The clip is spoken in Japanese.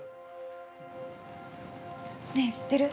◆ねえ、知ってる？